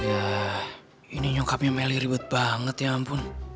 ya ini nyokapnya meli ribet banget ya ampun